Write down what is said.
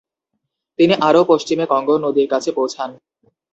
তিনি আরও পশ্চিমে কঙ্গো নদীর কাছে পৌঁছান।